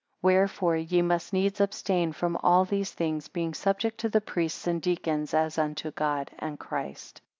13 Wherefore ye must needs abstain from all these things, being subject to the priests and deacons, as unto God and Christ.